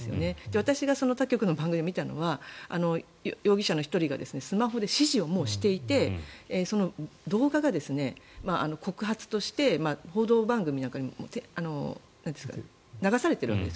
私が他局の番組で見たのは容疑者の１人がスマホで指示をしていてその動画が告発として報道番組なんかにも流されているわけです。